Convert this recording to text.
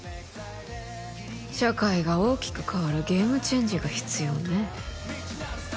社会が大きく変わるゲームチェンジが必要ね